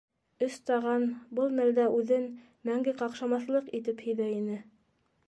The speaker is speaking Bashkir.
«Өс таған» был мәлдә үҙен мәңге ҡаҡшамаҫ-лыҡ итеп һиҙә ине.